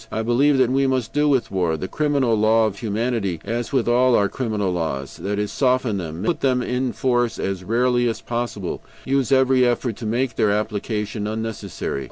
I believe that we must do with war the criminal law of humanity as with all our criminal laws, that is, soften them, put them in force as rarely as possible; use every effort to make their application unnecessary.